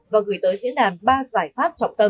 và gửi tới diễn đàn ba giải pháp trọng tâm